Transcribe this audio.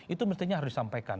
itu mestinya harus disampaikan